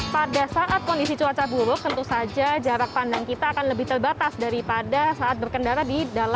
pada saat kondisi cuaca buruk tentu saja jarak pandang kita akan lebih terbatas daripada saat berkendara di dalam